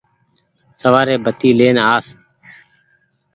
سوآري بتي لين آس ۔